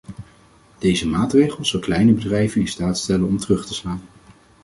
Deze maatregel zal kleine bedrijven in staat stellen om terug te slaan.